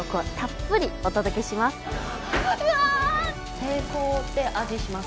「成功」って味します。